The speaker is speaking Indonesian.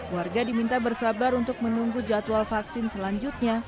warga diminta bersabar untuk menunggu jadwal vaksin selanjutnya